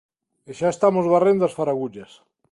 E xa estamos varrendo as faragullas.